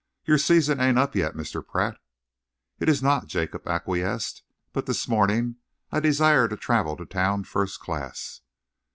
"Your season ain't up yet, Mr. Pratt." "It is not," Jacob acquiesced, "but this morning I desire to travel to town first class."